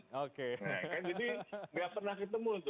jadi tidak pernah ketemu